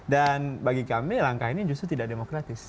dan bagi kami langkah ini justru tidak demokratis